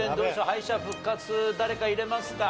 敗者復活誰か入れますか？